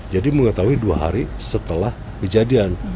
jadi mengetahui dua hari setelah kejadian